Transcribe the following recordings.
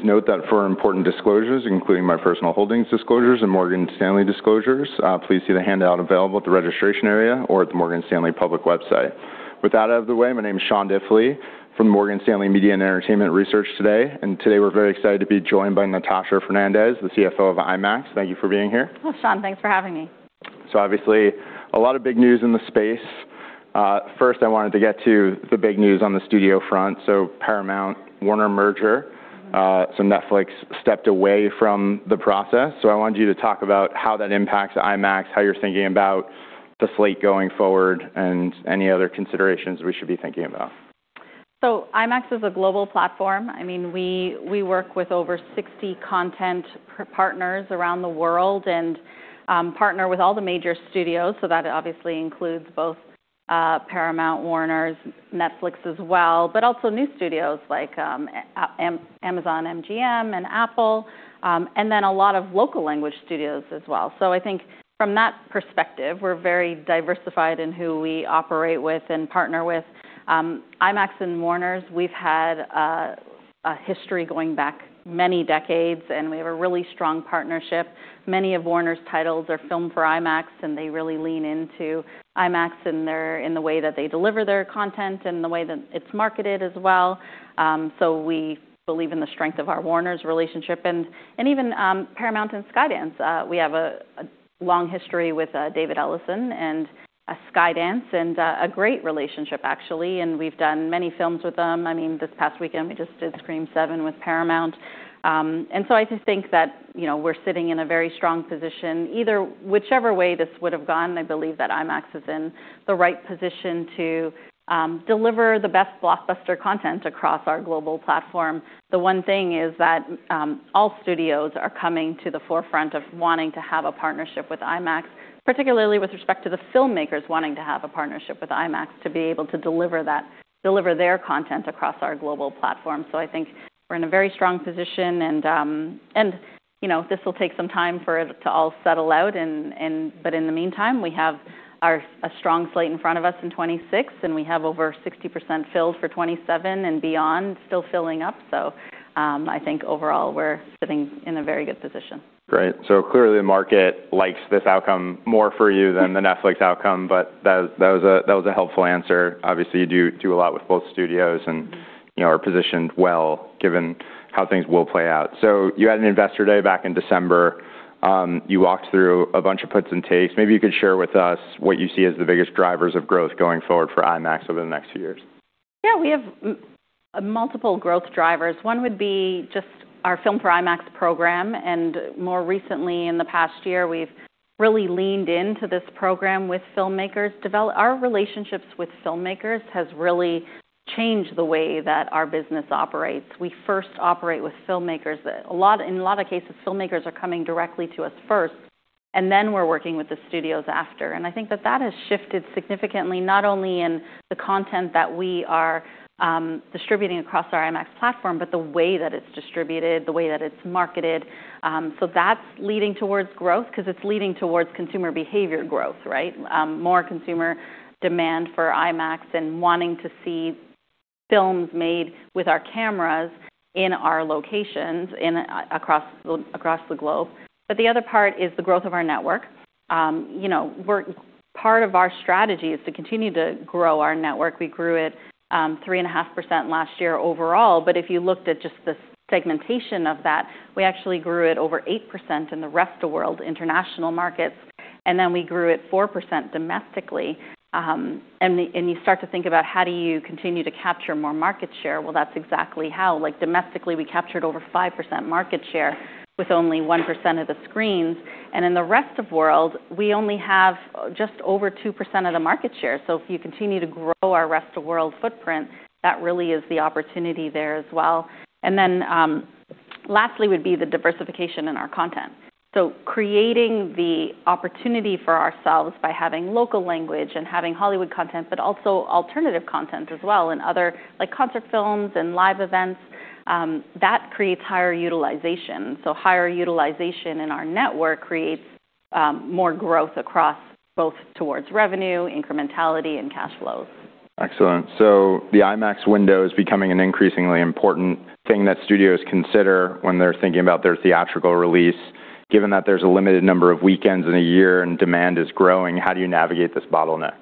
Please note that for important disclosures, including my personal holdings disclosures and Morgan Stanley disclosures, please see the handout available at the registration area or at the Morgan Stanley public website. With that out of the way, my name is Sean Diffley from Morgan Stanley Media and Entertainment Research today. Today we're very excited to be joined by Natasha Fernandes, the CFO of IMAX. Thank you for being here. Well, Sean, thanks for having me. Obviously, a lot of big news in the space. First I wanted to get to the big news on the studio front. Paramount-Warner merger. Mm-hmm. Netflix stepped away from the process. I wanted you to talk about how that impacts IMAX, how you're thinking about the slate going forward, and any other considerations we should be thinking about. IMAX is a global platform. I mean, we work with over 60 content partners around the world and partner with all the major studios. That obviously includes both Paramount, Warner's, Netflix as well, but also new studios like Amazon, MGM, and Apple, and then a lot of local language studios as well. I think from that perspective, we're very diversified in who we operate with and partner with. IMAX and Warner's, we've had a history going back many decades, and we have a really strong partnership. Many of Warner's titles are Filmed for IMAX, and they really lean into IMAX in the way that they deliver their content and the way that it's marketed as well. We believe in the strength of our Warner's relationship and even Paramount and Skydance. We have a long history with David Ellison and Skydance and a great relationship, actually. We've done many films with them. I mean, this past weekend, we just did Scream VII with Paramount. I just think that, you know, we're sitting in a very strong position. Whichever way this would have gone, I believe that IMAX is in the right position to deliver the best blockbuster content across our global platform. The one thing is that all studios are coming to the forefront of wanting to have a partnership with IMAX, particularly with respect to the filmmakers wanting to have a partnership with IMAX to be able to deliver that, deliver their content across our global platform. I think we're in a very strong position and, you know, this will take some time for it to all settle out and. In the meantime, we have a strong slate in front of us in 2026, and we have over 60% filled for 2027 and beyond still filling up. I think overall we're sitting in a very good position. Great. Clearly the market likes this outcome more for you than the Netflix outcome, but that was a helpful answer. Obviously, you do a lot with both studios. Mm-hmm ...you know, are positioned well, given how things will play out. You had an investor day back in December. You walked through a bunch of puts and takes. Maybe you could share with us what you see as the biggest drivers of growth going forward for IMAX over the next few years. Yeah, we have multiple growth drivers. One would be just our Filmed for IMAX program. More recently in the past year, we've really leaned into this program with filmmakers. Our relationships with filmmakers has really changed the way that our business operates. We first operate with filmmakers. In a lot of cases, filmmakers are coming directly to us first, and then we're working with the studios after. I think that that has shifted significantly, not only in the content that we are distributing across our IMAX platform, but the way that it's distributed, the way that it's marketed. That's leading towards growth because it's leading towards consumer behavior growth, right? More consumer demand for IMAX and wanting to see films made with our cameras in our locations across the globe. The other part is the growth of our network. you know, Part of our strategy is to continue to grow our network. We grew it 3.5% last year overall. If you looked at just the segmentation of that, we actually grew it over 8% in the Rest of World international markets. Then we grew it 4% domestically. and you start to think about how do you continue to capture more market share? Well, that's exactly how. Like, domestically, we captured over 5% market share with only 1% of the screens. In the Rest of World, we only have just over 2% of the market share. If you continue to grow our Rest of World footprint, that really is the opportunity there as well. Lastly would be the diversification in our content. Creating the opportunity for ourselves by having local language and having Hollywood content, but also alternative content as well, and other like concert films and live events, that creates higher utilization. Higher utilization in our network creates, more growth across both towards revenue, incrementality, and cash flows. Excellent. The IMAX window is becoming an increasingly important thing that studios consider when they're thinking about their theatrical release. Given that there's a limited number of weekends in a year and demand is growing, how do you navigate this bottleneck?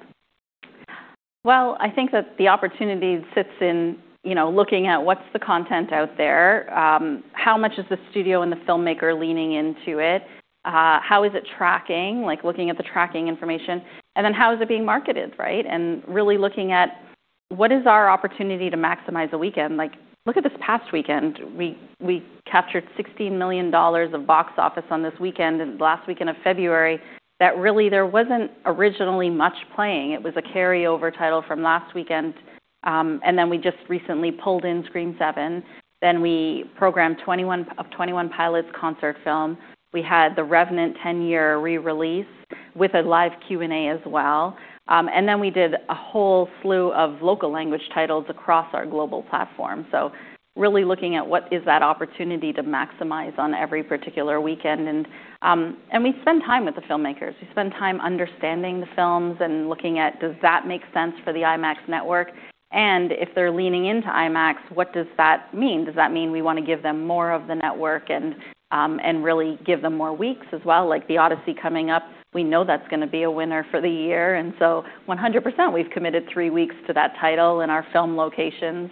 Well, I think that the opportunity sits in, you know, looking at what's the content out there, how much is the studio and the filmmaker leaning into it, how is it tracking, like looking at the tracking information, then how is it being marketed, right? Really looking at what is our opportunity to maximize a weekend. Like look at this past weekend. We captured $60 million of box office on this weekend, the last weekend of February, that really there wasn't originally much playing. It was a carryover title from last weekend. Then we just recently pulled in Scream VII. Then we programmed Twenty One Pilots concert film. We had The Revenant 10-year re-release with a live Q&A as well. Then we did a whole slew of local language titles across our global platform. Really looking at what is that opportunity to maximize on every particular weekend, we spend time with the filmmakers. We spend time understanding the films and looking at does that make sense for the IMAX network? If they're leaning into IMAX, what does that mean? Does that mean we wanna give them more of the network and really give them more weeks as well? Like Oppenheimer coming up, we know that's gonna be a winner for the year, 100% we've committed three weeks to that title in our film locations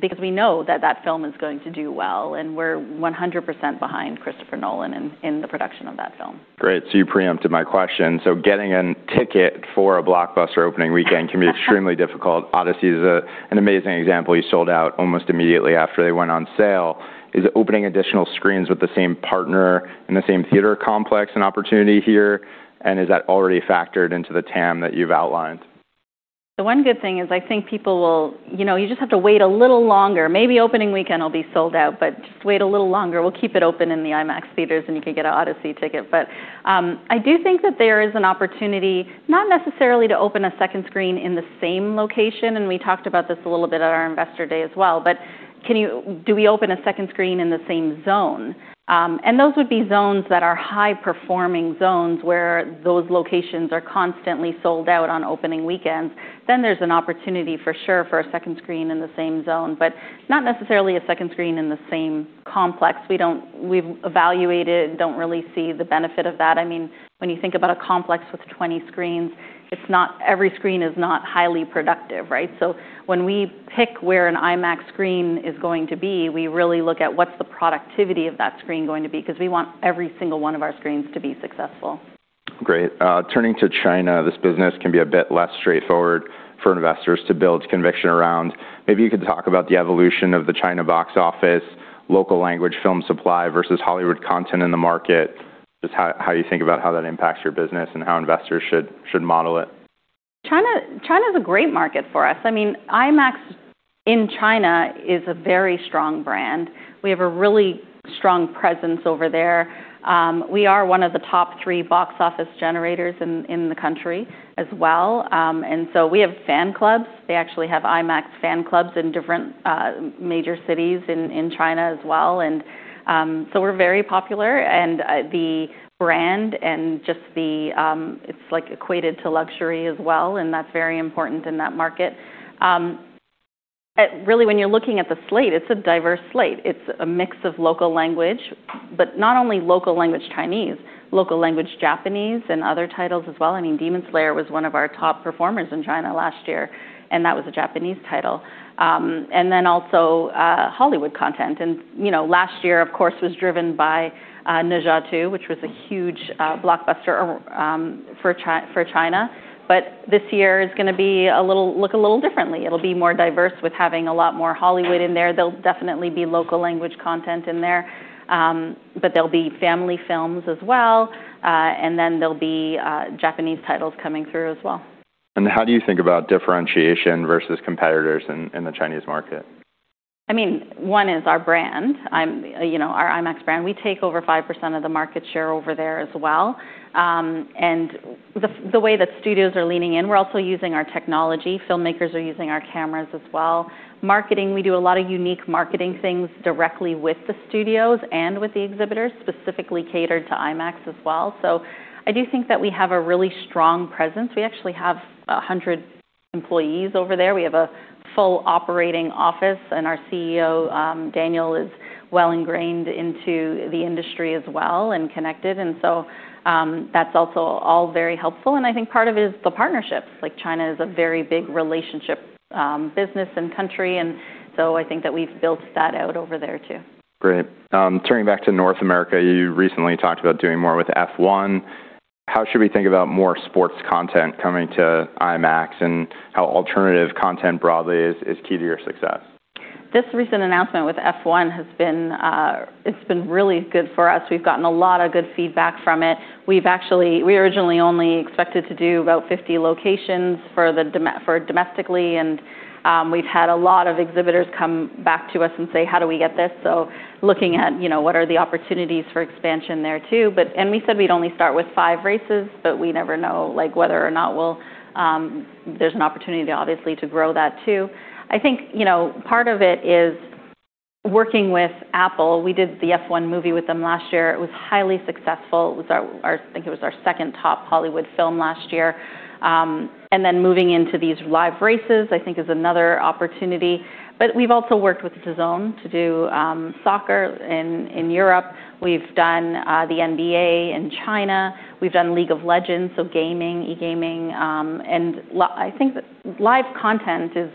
because we know that that film is going to do well, and we're 100% behind Christopher Nolan in the production of that film. Great. You preempted my question. Getting a ticket for a blockbuster opening weekend can be extremely difficult. The Odyssey is an amazing example. You sold out almost immediately after they went on sale. Is opening additional screens with the same partner and the same theater complex an opportunity here, and is that already factored into the TAM that you've outlined? The one good thing is I think people will. You know, you just have to wait a little longer. Maybe opening weekend will be sold out. Just wait a little longer. We'll keep it open in the IMAX theaters. You can get a Odyssey ticket. I do think that there is an opportunity not necessarily to open a second screen in the same location. We talked about this a little bit at our investor day as well. Do we open a second screen in the same zone? Those would be zones that are high-performing zones where those locations are constantly sold out on opening weekends. There's an opportunity for sure for a second screen in the same zone, but not necessarily a second screen in the same complex. We've evaluated and don't really see the benefit of that. I mean, when you think about a complex with 20 screens, every screen is not highly productive, right? When we pick where an IMAX screen is going to be, we really look at what's the productivity of that screen going to be because we want every single one of our screens to be successful. Great. Turning to China, this business can be a bit less straightforward for investors to build conviction around. Maybe you could talk about the evolution of the China box office, local language film supply versus Hollywood content in the market. Just how you think about how that impacts your business and how investors should model it. China is a great market for us. I mean, IMAX in China is a very strong brand. We have a really strong presence over there. We are one of the top three box office generators in the country as well. We have fan clubs. They actually have IMAX fan clubs in different major cities in China as well. We're very popular, the brand and just the It's, like, equated to luxury as well, and that's very important in that market. Really when you're looking at the slate, it's a diverse slate. It's a mix of local language, but not only local language Chinese, local language Japanese and other titles as well. I mean Demon Slayer was one of our top performers in China last year, and that was a Japanese title. Then also, Hollywood content. You know, last year, of course, was driven by Ne Zha 2, which was a huge blockbuster for China. This year is gonna look a little differently. It'll be more diverse with having a lot more Hollywood in there. There'll definitely be local language content in there, but there'll be family films as well, and then there'll be Japanese titles coming through as well. How do you think about differentiation versus competitors in the Chinese market? I mean, one is our brand. you know, our IMAX brand. We take over 5% of the market share over there as well. the way that studios are leaning in, we're also using our technology. Filmmakers are using our cameras as well. Marketing, we do a lot of unique marketing things directly with the studios and with the exhibitors, specifically catered to IMAX as well. I do think that we have a really strong presence. We actually have 100 employees over there. We have a full operating office, and our CEO, Daniel, is well ingrained into the industry as well and connected. That's also all very helpful, and I think part of it is the partnerships. Like, China is a very big relationship, business and country. I think that we've built that out over there too. Great. Turning back to North America, you recently talked about doing more with F1. How should we think about more sports content coming to IMAX and how alternative content broadly is key to your success? This recent announcement with F1 has been, it's been really good for us. We've gotten a lot of good feedback from it. We originally only expected to do about 50 locations for domestically, and we've had a lot of exhibitors come back to us and say, "How do we get this?" Looking at, you know, what are the opportunities for expansion there too. We said we'd only start with five races, but we never know, like, whether or not we'll, there's an opportunity obviously to grow that too. I think, you know, part of it is working with Apple. We did the F1 movie with them last year. It was highly successful. I think it was our 2nd top Hollywood film last year. Moving into these live races, I think is another opportunity. We've also worked with DAZN to do soccer in Europe. We've done the NBA in China. We've done League of Legends, so gaming, e-gaming. I think that live content is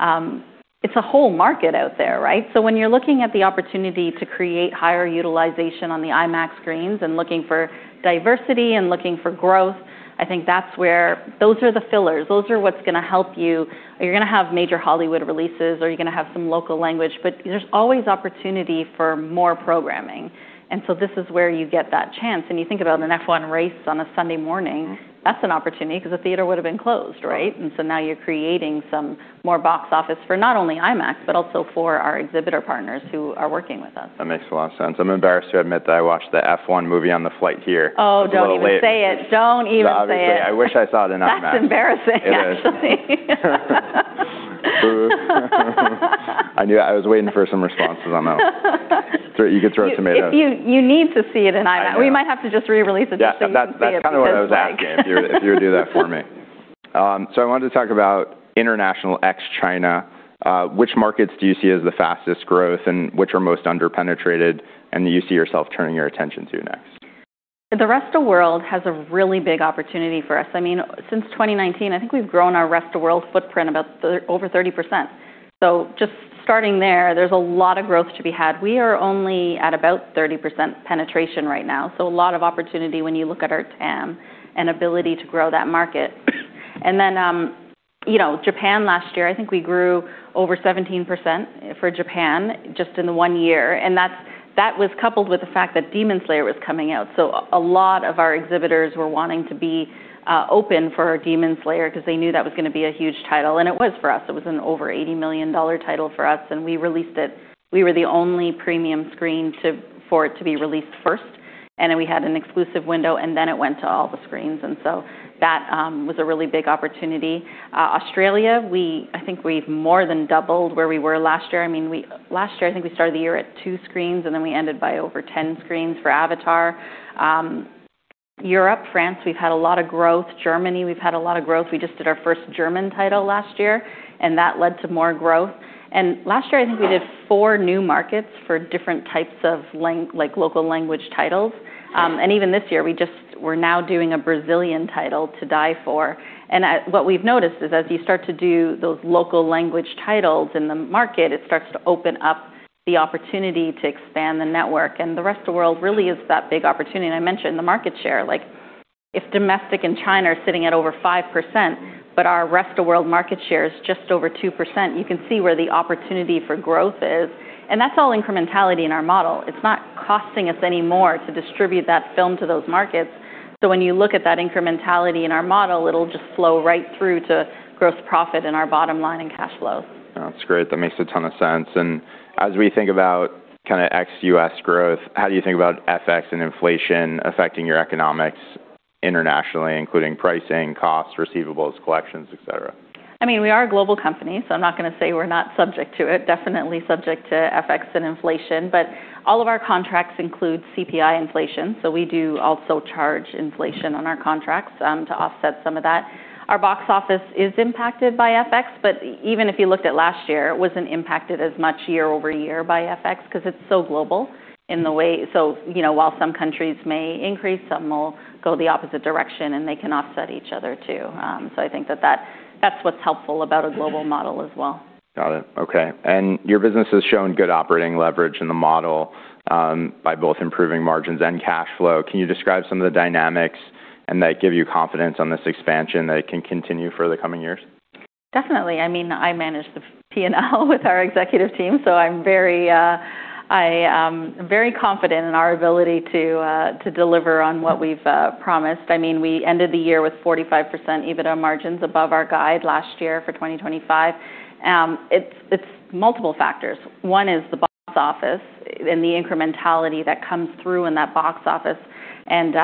a whole market out there, right? When you're looking at the opportunity to create higher utilization on the IMAX screens and looking for diversity and looking for growth, I think that's where those are the fillers. Those are what's gonna help you. You're gonna have major Hollywood releases, or you're gonna have some local language, but there's always opportunity for more programming. This is where you get that chance. You think about an F one race on a Sunday morning, that's an opportunity because the theater would have been closed, right? Now you're creating some more box office for not only IMAX, but also for our exhibitor partners who are working with us. That makes a lot of sense. I'm embarrassed to admit that I watched the F1 movie on the flight here. Oh, don't even say it. Don't even say it. Obviously, I wish I saw it in IMAX. That's embarrassing, actually. I knew I was waiting for some responses on that one. You could throw tomatoes. You need to see it in IMAX. We might have to just re-release it just so you can see it because, like- That's kind of what I was asking if you would do that for me. I wanted to talk about international ex-China. Which markets do you see as the fastest growth and which are most under penetrated and you see yourself turning your attention to next? The rest of world has a really big opportunity for us. I mean, since 2019, I think we've grown our rest of world footprint about over 30%. Just starting there's a lot of growth to be had. We are only at about 30% penetration right now, so a lot of opportunity when you look at our TAM and ability to grow that market. Then, you know, Japan last year, I think we grew over 17% for Japan just in one year. That was coupled with the fact that Demon Slayer was coming out. A lot of our exhibitors were wanting to be open for Demon Slayer because they knew that was going to be a huge title, and it was for us. It was an over $80 million title for us, and we released it. We were the only premium screen for it to be released first. We had an exclusive window. It went to all the screens. That was a really big opportunity. Australia, I think we've more than doubled where we were last year. I mean, last year, I think we started the year at twoscreens. We ended by over 10 screens for Avatar. Europe, France, we've had a lot of growth. Germany, we've had a lot of growth. We just did our first German title last year. That led to more growth. Last year, I think we did 4 new markets for different types of local language titles. Even this year, we're now doing a Brazilian title 2DIE4. What we've noticed is as you start to do those local language titles in the market, it starts to open up the opportunity to expand the network. The rest of world really is that big opportunity. I mentioned the market share. Like if domestic and China are sitting at over 5%, but our rest of world market share is just over 2%, you can see where the opportunity for growth is, and that's all incrementality in our model. It's not costing us any more to distribute that film to those markets. When you look at that incrementality in our model, it'll just flow right through to gross profit in our bottom line and cash flow. That's great. That makes a ton of sense. As we think about kind of ex-US growth, how do you think about FX and inflation affecting your economics internationally, including pricing, costs, receivables, collections, et cetera? I mean, we are a global company, so I'm not going to say we're not subject to it. Definitely subject to FX and inflation. All of our contracts include CPI inflation, so we do also charge inflation on our contracts to offset some of that. Our box office is impacted by FX, but even if you looked at last year, it wasn't impacted as much year-over-year by FX because it's so global in the way. While some countries may increase, some will go the opposite direction and they can offset each other too. So I think that that's what's helpful about a global model as well. Got it. Okay. Your business has shown good operating leverage in the model by both improving margins and cash flow. Can you describe some of the dynamics and that give you confidence on this expansion that it can continue for the coming years? Definitely. I mean, I manage the P&L with our executive team, so I am very confident in our ability to deliver on what we've promised. I mean, we ended the year with 45% EBITDA margins above our guide last year for 2025. It's multiple factors. One is the box office and the incrementality that comes through in that box office. And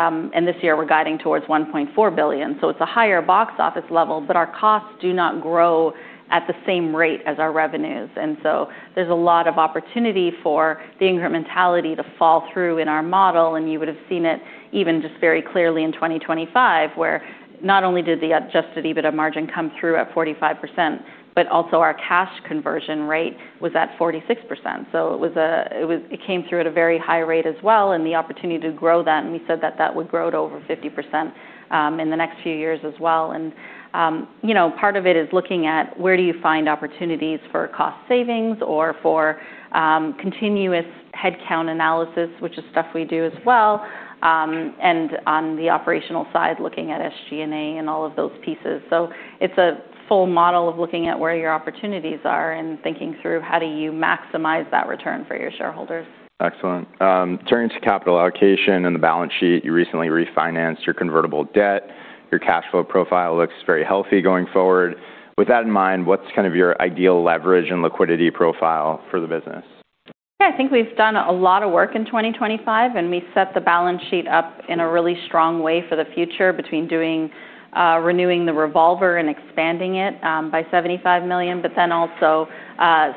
this year we're guiding towards $1.4 billion. It's a higher box office level, but our costs do not grow at the same rate as our revenues. There's a lot of opportunity for the incrementality to fall through in our model. You would have seen it even just very clearly in 2025, where not only did the adjusted EBITDA margin come through at 45%, but also our cash conversion rate was at 46%. It came through at a very high rate as well. The opportunity to grow that, and we said that that would grow to over 50% in the next few years as well. You know, part of it is looking at where do you find opportunities for cost savings or for continuous headcount analysis, which is stuff we do as well. On the operational side, looking at SG&A and all of those pieces. It's a full model of looking at where your opportunities are and thinking through how do you maximize that return for your shareholders. Excellent. Turning to capital allocation and the balance sheet, you recently refinanced your convertible debt. Your cash flow profile looks very healthy going forward. With that in mind, what's kind of your ideal leverage and liquidity profile for the business? Yeah, I think we've done a lot of work in 2025, and we set the balance sheet up in a really strong way for the future between doing, renewing the revolver and expanding it by $75 million, but then also,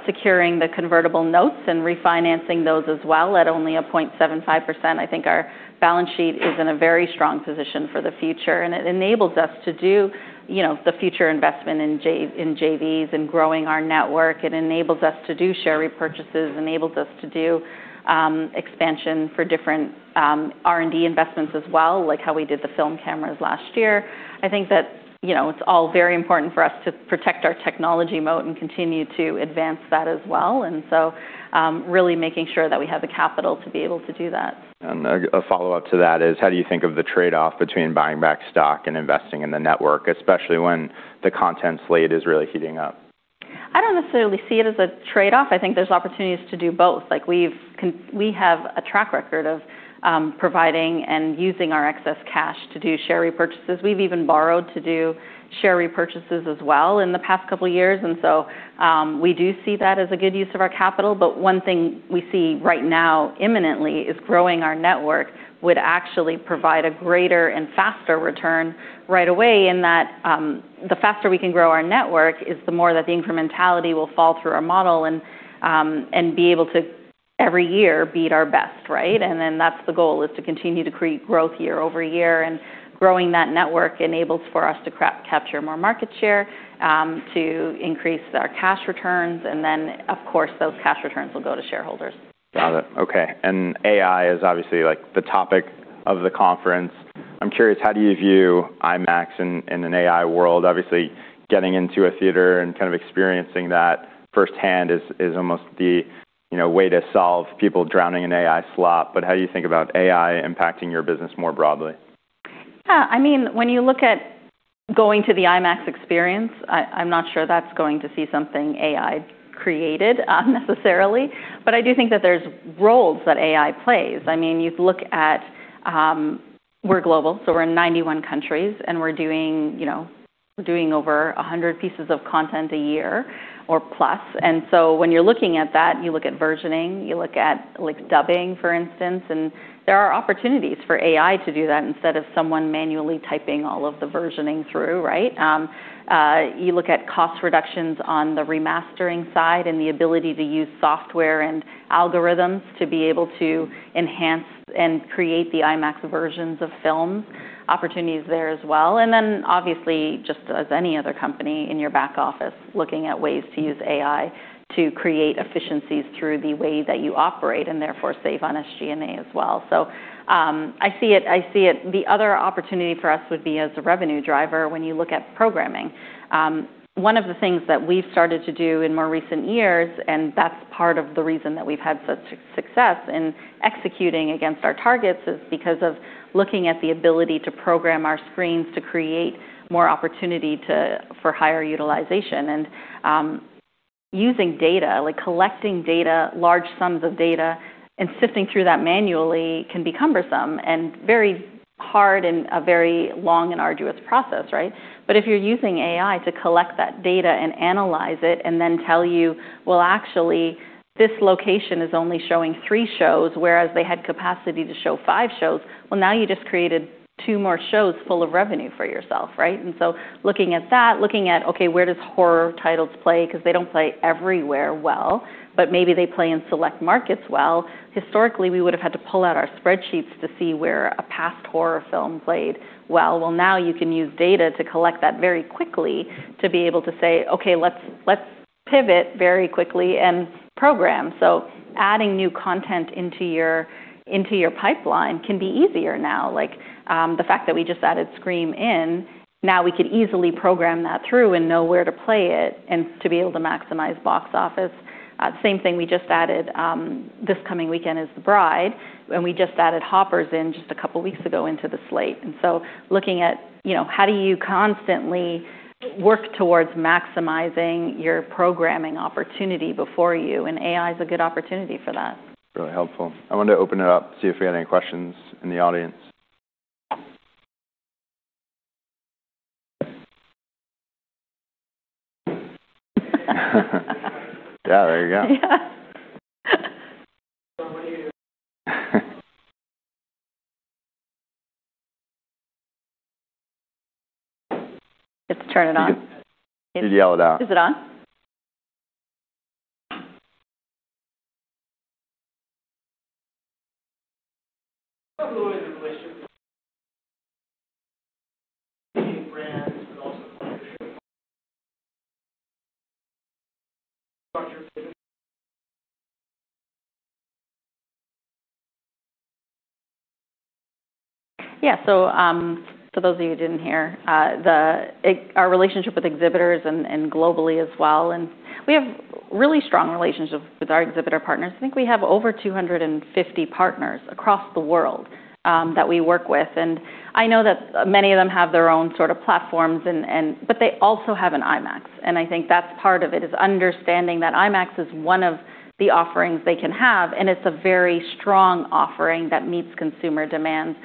securing the convertible notes and refinancing those as well at only 0.75%. I think our balance sheet is in a very strong position for the future, and it enables us to do, you know, the future investment in JVs and growing our network. It enables us to do share repurchases, enables us to do expansion for different R&D investments as well, like how we did the film cameras last year. I think that, you know, it's all very important for us to protect our technology moat and continue to advance that as well. Really making sure that we have the capital to be able to do that. A follow-up to that is, how do you think of the trade-off between buying back stock and investing in the network, especially when the content slate is really heating up? I don't necessarily see it as a trade-off. I think there's opportunities to do both. Like, we have a track record of providing and using our excess cash to do share repurchases. We've even borrowed to do share repurchases as well in the past couple years. We do see that as a good use of our capital. One thing we see right now imminently is growing our network would actually provide a greater and faster return right away in that, the faster we can grow our network is the more that the incrementality will fall through our model and be able to every year beat our best, right? That's the goal, is to continue to create growth year-over-year. Growing that network enables for us to capture more market share, to increase our cash returns, and then, of course, those cash returns will go to shareholders. Got it. Okay. AI is obviously, like, the topic of the conference. I'm curious, how do you view IMAX in an AI world? Obviously, getting into a theater and kind of experiencing that firsthand is almost the, you know, way to solve people drowning in AI slop. How do you think about AI impacting your business more broadly? Yeah. I mean, when you look at going to the IMAX experience, I'm not sure that's going to see something AI created, necessarily. I do think that there's roles that AI plays. I mean, you look at. We're global, so we're in 91 countries, and we're doing, you know, we're doing over 100 pieces of content a year or plus. When you're looking at that, you look at versioning, you look at, like, dubbing, for instance, there are opportunities for AI to do that instead of someone manually typing all of the versioning through, right? You look at cost reductions on the remastering side and the ability to use software and algorithms to be able to enhance and create the IMAX versions of films, opportunities there as well. Obviously, just as any other company in your back office, looking at ways to use AI to create efficiencies through the way that you operate, and therefore save on SG&A as well. I see it. The other opportunity for us would be as a revenue driver when you look at programming. One of the things that we've started to do in more recent years, and that's part of the reason that we've had such success in executing against our targets, is because of looking at the ability to program our screens to create more opportunity for higher utilization. Using data, like collecting data, large sums of data, and sifting through that manually can be cumbersome and very hard and a very long and arduous process, right? If you're using AI to collect that data and analyze it and then tell you, "Well, actually, this location is only showing three shows," whereas they had capacity to show five shows, well, now you just created two more shows full of revenue for yourself, right? Looking at that, looking at, okay, where does horror titles play? 'Cause they don't play everywhere well, but maybe they play in select markets well. Historically, we would've had to pull out our spreadsheets to see where a past horror film played well. Well, now you can use data to collect that very quickly to be able to say, "Okay, let's pivot very quickly and program." Adding new content into your, into your pipeline can be easier now. Like, the fact that we just added Scream in, now we could easily program that through and know where to play it and to be able to maximize box office. Same thing, we just added, this coming weekend is The Bride!, and we just added Hoppers in just a couple weeks ago into the slate. Looking at, you know, how do you constantly work towards maximizing your programming opportunity before you, and AI's a good opportunity for that. Really helpful. I wanted to open it up, see if we had any questions in the audience. Yeah, there you go. You have to turn it on. You could yell it out. Is it on? I have a exhibitor question. Brands and also structure. Yeah. For those of you who didn't hear, our relationship with exhibitors and globally as well. We have really strong relationships with our exhibitor partners. I think we have over 250 partners across the world that we work with. I know that many of them have their own sort of platforms and, but they also have an IMAX. I think that's part of it, is understanding that IMAX is one of the offerings they can have. It's a very strong offering that meets consumer demands.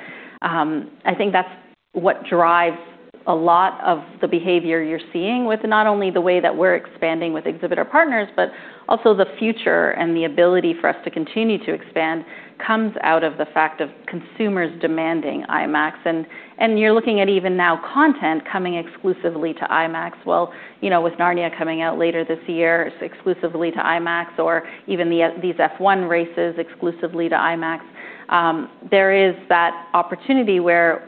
I think that's what drives a lot of the behavior you're seeing with not only the way that we're expanding with exhibitor partners, but also the future and the ability for us to continue to expand comes out of the fact of consumers demanding IMAX. You're looking at even now content coming exclusively to IMAX. Well, you know, with Narnia coming out later this year exclusively to IMAX, or even these F1 races exclusively to IMAX, there is that opportunity where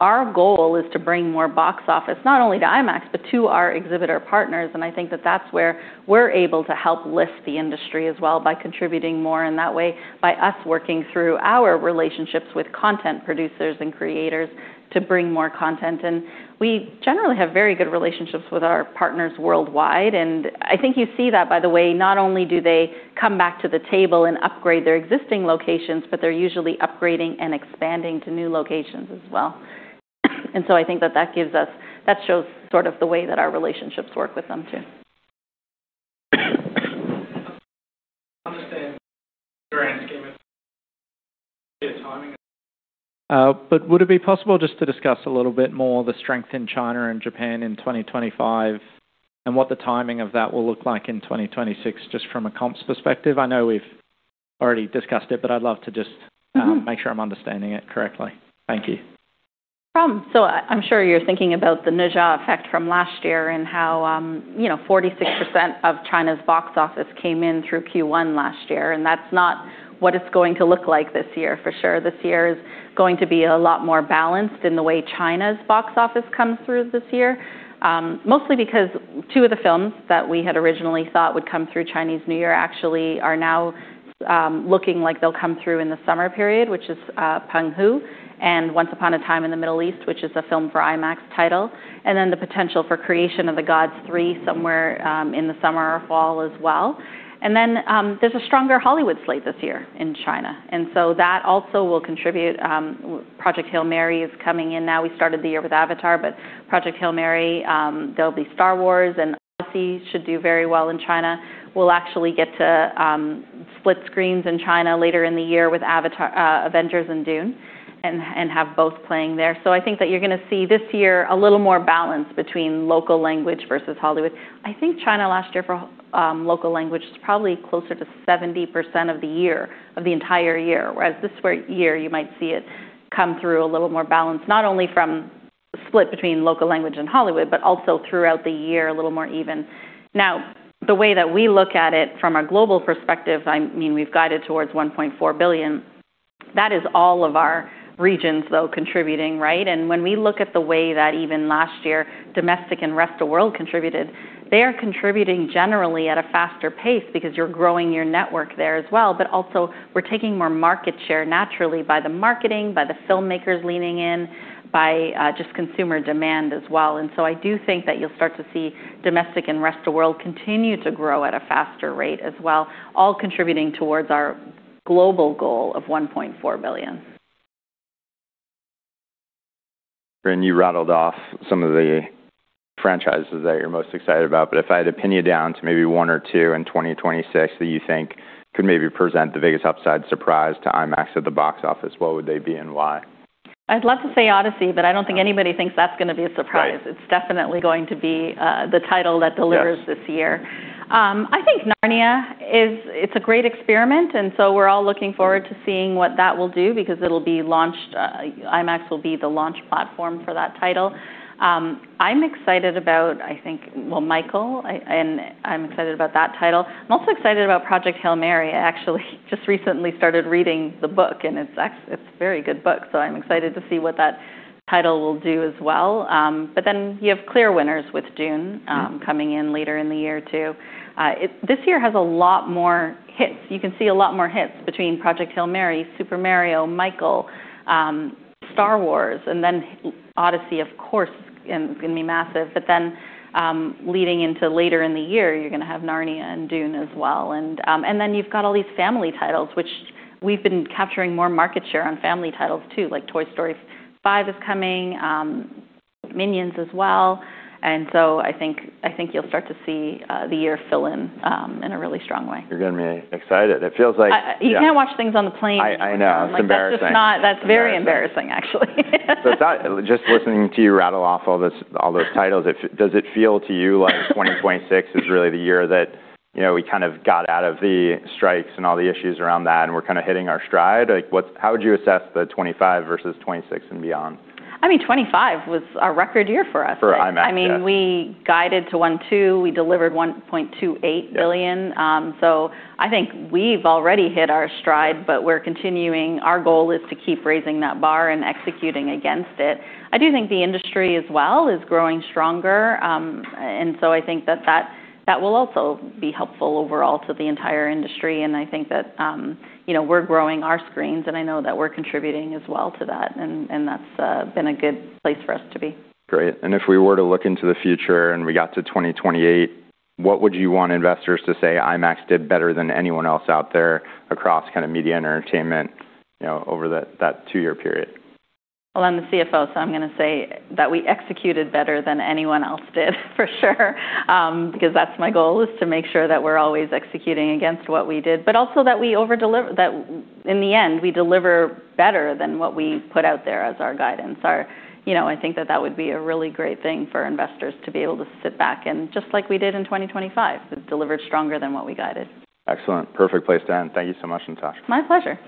our goal is to bring more box office not only to IMAX, but to our exhibitor partners. I think that that's where we're able to help lift the industry as well by contributing more in that way by us working through our relationships with content producers and creators to bring more content in. We generally have very good relationships with our partners worldwide, and I think you see that by the way, not only do they come back to the table and upgrade their existing locations, but they're usually upgrading and expanding to new locations as well. I think that shows sort of the way that our relationships work with them, too. Understand the grand scheme of the timing. Would it be possible just to discuss a little bit more the strength in China and Japan in 2025 and what the timing of that will look like in 2026, just from a comps perspective? I know we've already discussed it, I'd love to just. Mm-hmm. make sure I'm understanding it correctly. Thank you. I'm sure you're thinking about the Ne Zha effect from last year and how, you know, 46% of China's box office came in through Q1 last year, and that's not what it's going to look like this year, for sure. This year is going to be a lot more balanced in the way China's box office comes through this year. Mostly because two of the films that we had originally thought would come through Chinese New Year actually are now looking like they'll come through in the summer period, which is peng Hu and Once Upon a Time in the Middle East, which is a Filmed for IMAX title, and then the potential for Creation of the Gods three somewhere in the summer or fall as well. There's a stronger Hollywood slate this year in China. That also will contribute. Project Hail Mary is coming in now. We started the year with Avatar, but Project Hail Mary, there'll be Star Wars, and Odyssey should do very well in China. We'll actually get to split screens in China later in the year with Avengers and Dune and have both playing there. I think that you're gonna see this year a little more balance between local language versus Hollywood. I think China last year for local language is probably closer to 70% of the year, of the entire year. Whereas this year, you might see it come through a little more balanced, not only from the split between local language and Hollywood, but also throughout the year a little more even. The way that we look at it from a global perspective, I mean, we've guided towards $1.4 billion. That is all of our regions, though, contributing, right? When we look at the way that even last year, domestic and Rest of World contributed, they are contributing generally at a faster pace because you're growing your network there as well. Also we're taking more market share naturally by the marketing, by the filmmakers leaning in, by just consumer demand as well. I do think that you'll start to see domestic and Rest of World continue to grow at a faster rate as well, all contributing towards our global goal of $1.4 billion. You rattled off some of the franchises that you're most excited about, but if I had to pin you down to maybe one or two in 2026 that you think could maybe present the biggest upside surprise to IMAX at the box office, what would they be and why? I'd love to say Odyssey, but I don't think anybody thinks that's gonna be a surprise. Right. It's definitely going to be, the title that delivers. Yes. this year. I think Narnia it's a great experiment, and so we're all looking forward to seeing what that will do because IMAX will be the launch platform for that title. I'm excited about, well, Michael, and I'm excited about that title. I'm also excited about Project Hail Mary. I actually just recently started reading the book, and it's a very good book, so I'm excited to see what that title will do as well. You have clear winners with Dune coming in later in the year, too. This year has a lot more hits. You can see a lot more hits between Project Hail Mary, Super Mario, Michael, Star Wars, and then Odyssey, of course, is gonna be massive. Leading into later in the year, you're gonna have Narnia and Dune as well. Then you've got all these family titles, which we've been capturing more market share on family titles too, like Toy Story fiveis coming, Minions as well. I think you'll start to see the year fill in in a really strong way. You're gonna be excited. It feels like- You can't watch things on the plane. I know. It's embarrassing. That's very embarrassing, actually. Just listening to you rattle off all this, all those titles, does it feel to you like 2026 is really the year that, you know, we kind of got out of the strikes and all the issues around that, and we're kind of hitting our stride? Like, what's how would you assess the 25 versus 26 and beyond? I mean, 25 was a record year for us. For IMAX, yeah. I mean, we guided to $1.2. We delivered $1.28 billion. I think we've already hit our stride, but we're continuing. Our goal is to keep raising that bar and executing against it. I do think the industry as well is growing stronger. I think that will also be helpful overall to the entire industry. I think that, you know, we're growing our screens, and I know that we're contributing as well to that. That's been a good place for us to be. Great. If we were to look into the future and we got to 2028, what would you want investors to say IMAX did better than anyone else out there across kind of media and entertainment, you know, over that 2-year period? I'm the CFO, so I'm gonna say that we executed better than anyone else did, for sure. That's my goal, is to make sure that we're always executing against what we did, but also that we overdeliver, that in the end, we deliver better than what we put out there as our guidance. You know, I think that that would be a really great thing for investors to be able to sit back and just like we did in 2025, delivered stronger than what we guided. Excellent. Perfect place to end. Thank you so much, Natasha. My pleasure.